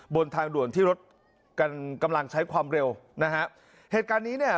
บนทางด่วนที่รถกันกำลังใช้ความเร็วนะฮะเหตุการณ์นี้เนี่ย